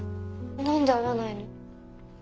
何で会わないの？